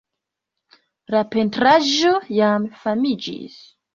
La pentraĵo jam famiĝis.